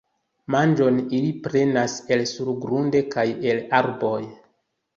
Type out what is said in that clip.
Manĝon ili prenas el surgrunde kaj el arboj.